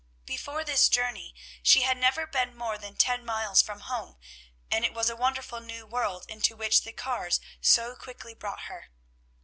Before this journey she had never been more than ten miles from home, and it was a wonderful new world into which the cars so quickly brought her.